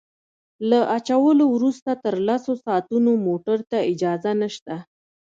له اچولو وروسته تر لسو ساعتونو موټرو ته اجازه نشته